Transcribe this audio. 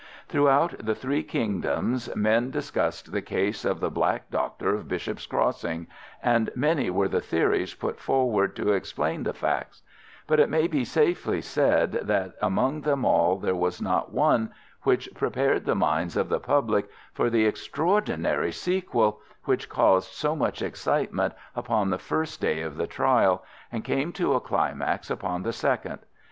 Throughout the three kingdoms men discussed the case of the Black Doctor of Bishop's Crossing, and many were the theories put forward to explain the facts; but it may safely be said that among them all there was not one which prepared the minds of the public for the extraordinary sequel, which caused so much excitement upon the first day of the trial, and came to a climax upon the second.